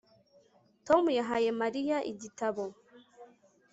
Tom yahaye Mariya igitabo